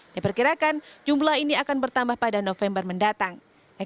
diperkirakan jumlah ini akan bertambah pada november mendatang